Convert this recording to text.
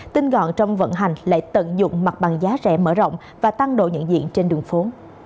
tinh gọn trong vận hành lại tận dụng mặt bằng giá rẻ mở rộng và tăng độ nhận diện trên đường phố